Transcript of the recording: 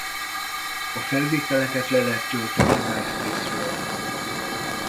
A felvételeket le lehet tölteni myspace-ről.